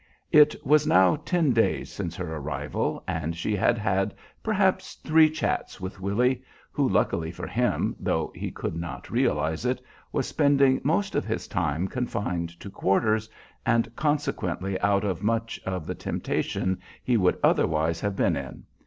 It was now ten days since her arrival, and she had had perhaps three chats with Willy, who, luckily for him, though he could not realize it, was spending most of his time "confined to quarters," and consequently out of much of the temptation he would otherwise have been in.